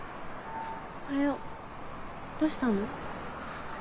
おはようどうしたの？